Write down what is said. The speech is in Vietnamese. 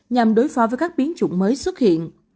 nhằm đối phó với các biến chủng mới xuất hiện